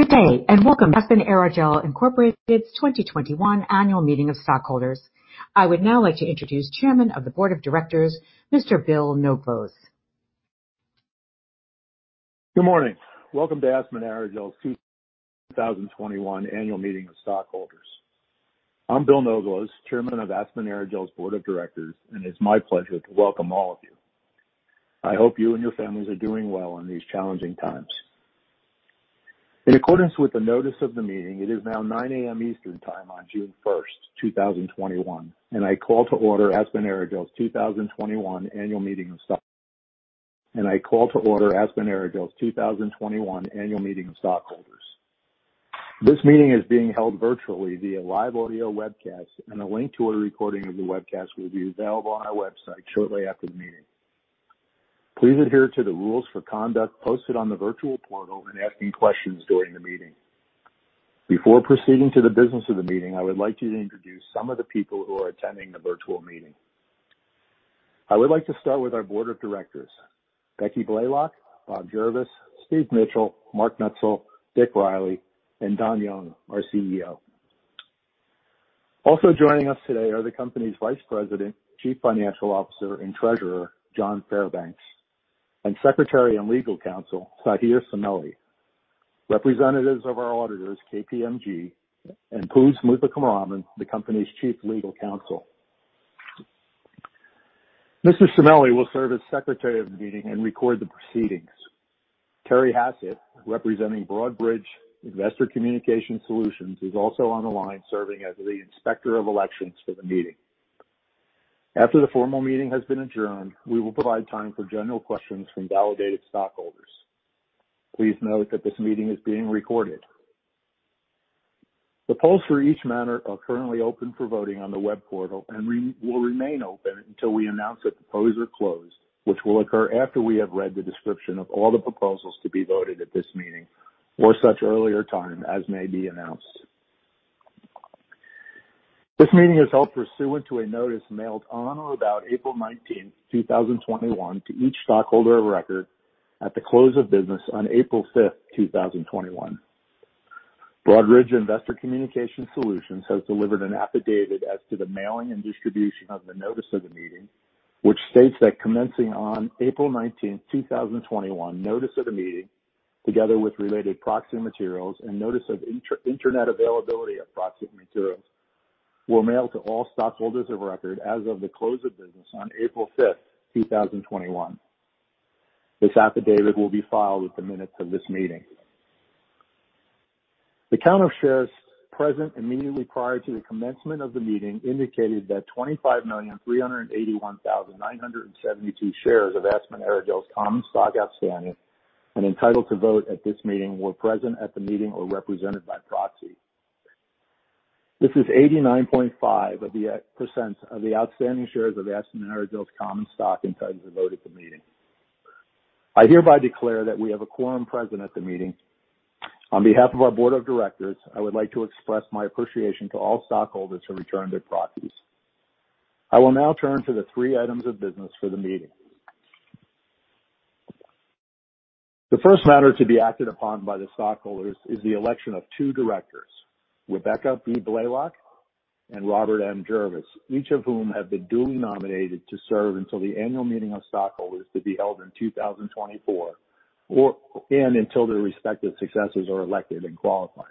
Good day and welcome to Aspen Aerogels Incorporated's 2021 Annual Meeting of Stockholders. I would now like to introduce Chairman of the Board of Directors, Mr. Bill Nobles. Good morning. Welcome to Aspen Aerogels 2021 Annual Meeting of Stockholders. I'm Bill Nobles, Chairman of Aspen Aerogels Board of Directors, and it's my pleasure to welcome all of you. I hope you and your families are doing well in these challenging times. In accordance with the notice of the meeting, it is now 9:00 A.M. Eastern Time on June 1st, 2021, and I call to order Aspen Aerogels 2021 Annual Meeting of Stockholders. This meeting is being held virtually via live audio webcast, and a link to a recording of the webcast will be available on our website shortly after the meeting. Please adhere to the rules for conduct posted on the virtual portal when asking questions during the meeting. Before proceeding to the business of the meeting, I would like to introduce some of the people who are attending the virtual meeting. I would like to start with our Board of Directors: Becky Blalock, Bob Gervis, Steve Mitchell, Mark Noetzel, Dick Riley, and Don Young, our CEO. Also joining us today are the company's Vice President, Chief Financial Officer, and Treasurer, John Fairbanks, and Secretary and Legal Counsel, Sahir Surmeli. Representatives of our auditors, KPMG, and Poongs Muthukumaran, the company's Chief Legal Counsel. Mr. will serve as Secretary of the meeting and record the proceedings. Terry Hassett, representing Broadridge Investor Communication Solutions, is also on the line serving as the Inspector of Elections for the meeting. After the formal meeting has been adjourned, we will provide time for general questions from validated stockholders. Please note that this meeting is being recorded. The polls for each matter are currently open for voting on the web portal and will remain open until we announce that the polls are closed, which will occur after we have read the description of all the proposals to be voted at this meeting or such earlier time as may be announced. This meeting is held pursuant to a notice mailed on or about April 19th, 2021, to each stockholder of record at the close of business on April 5th, 2021. Broadridge Investor Communication Solutions has delivered an affidavit as to the mailing and distribution of the notice of the meeting, which states that commencing on April 19th, 2021, the notice of the meeting, together with related proxy materials and notice of internet availability of proxy materials, will mail to all stockholders of record as of the close of business on April 5th, 2021. This affidavit will be filed at the minutes of this meeting. The count of shares present immediately prior to the commencement of the meeting indicated that 25,381,972 shares of Aspen Aerogels Common Stock outstanding and entitled to vote at this meeting were present at the meeting or represented by proxy. This is 89.5% of the outstanding shares of Aspen Aerogels Common Stock entitled to vote at the meeting. I hereby declare that we have a quorum present at the meeting. On behalf of our Board of Directors, I would like to express my appreciation to all stockholders who returned their proxies. I will now turn to the three items of business for the meeting. The first matter to be acted upon by the stockholders is the election of two directors, Rebecca B. Blalock and Robert M. Gervis. Gervis, each of whom have been duly nominated to serve until the annual meeting of stockholders to be held in 2024 and until their respective successors are elected and qualified.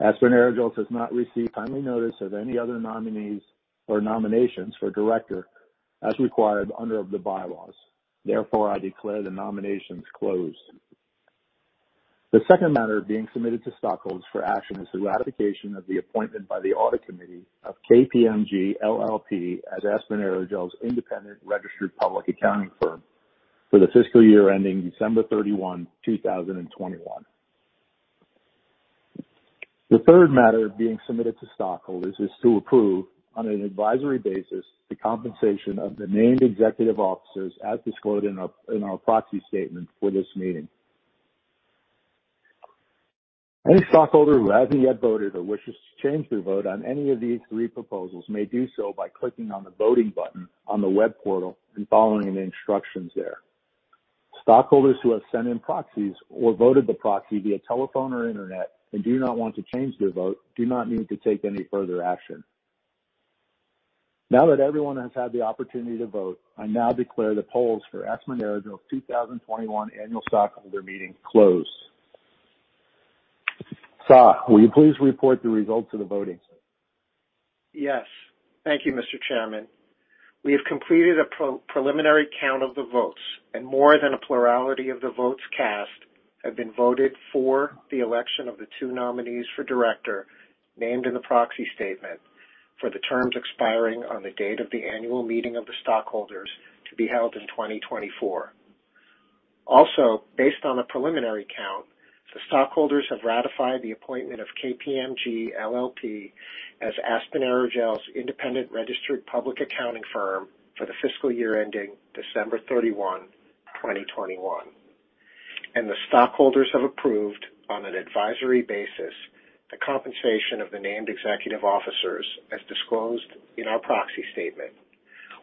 Aspen Aerogels has not received timely notice of any other nominees or nominations for director as required under the bylaws. Therefore, I declare the nominations closed. The second matter being submitted to stockholders for action is the ratification of the appointment by the Audit Committee of KPMG LLP as Aspen Aerogels independent registered public accounting firm for the fiscal year ending December 31, 2021. The third matter being submitted to stockholders is to approve on an advisory basis the compensation of the named executive officers as disclosed in our proxy statement for this meeting. Any stockholder who hasn't yet voted or wishes to change their vote on any of these three proposals may do so by clicking on the voting button on the web portal and following the instructions there. Stockholders who have sent in proxies or voted the proxy via telephone or internet and do not want to change their vote do not need to take any further action. Now that everyone has had the opportunity to vote, I now declare the polls for Aspen Aerogels 2021 Annual Stockholder Meeting closed. Poosa, will you please report the results of the voting? Yes. Thank you, Mr. Chairman. We have completed a preliminary count of the votes, and more than a plurality of the votes cast have been voted for the election of the two nominees for director named in the proxy statement for the terms expiring on the date of the annual meeting of the stockholders to be held in 2024. Also, based on the preliminary count, the stockholders have ratified the appointment of KPMG LLP as Aspen Aerogels' independent registered public accounting firm for the fiscal year ending December 31, 2021, and the stockholders have approved on an advisory basis the compensation of the named executive officers as disclosed in our proxy statement.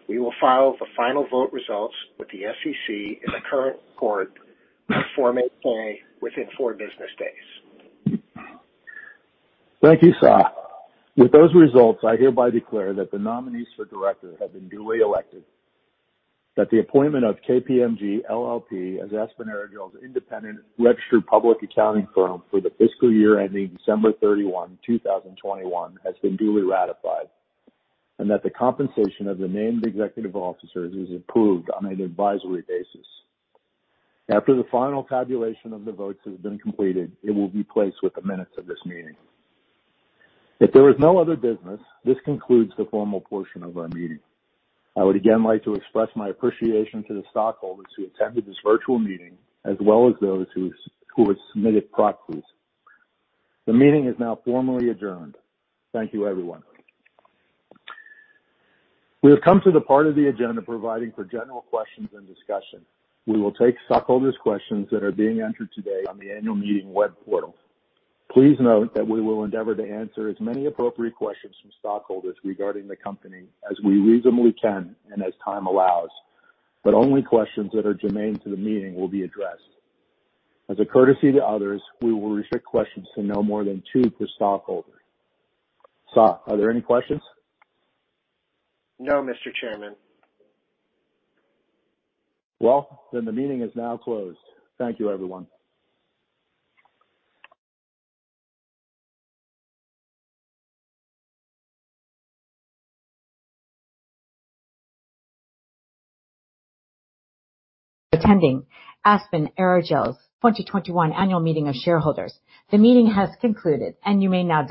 We will file the final vote results with the SEC in a Current Report on Form 8-K within four business days. Thank you, Sa. With those results, I hereby declare that the nominees for director have been duly elected, that the appointment of KPMG LLP as Aspen Aerogels Independent Registered Public Accounting Firm for the fiscal year ending December 31, 2021, has been duly ratified, and that the compensation of the named executive officers is approved on an advisory basis. After the final tabulation of the votes has been completed, it will be placed with the minutes of this meeting. If there is no other business, this concludes the formal portion of our meeting. I would again like to express my appreciation to the stockholders who attended this virtual meeting, as well as those who have submitted proxies. The meeting is now formally adjourned. Thank you, everyone. We have come to the part of the agenda providing for general questions and discussion. We will take stockholders' questions that are being entered today on the annual meeting web portal. Please note that we will endeavor to answer as many appropriate questions from stockholders regarding the company as we reasonably can and as time allows, but only questions that are germane to the meeting will be addressed. As a courtesy to others, we will restrict questions to no more than two per stockholder. Saadiya, are there any questions? No, Mr. Chairman. Then the meeting is now closed. Thank you, everyone. Attending Aspen Aerogels 2021 Annual Meeting of Shareholders. The meeting has concluded, and you may now.